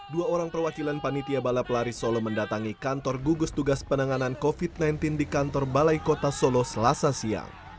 dua orang perwakilan panitia balap lari solo mendatangi kantor gugus tugas penanganan covid sembilan belas di kantor balai kota solo selasa siang